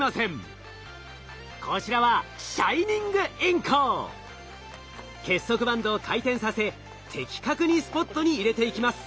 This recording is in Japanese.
こちらは結束バンドを回転させ的確にスポットに入れていきます。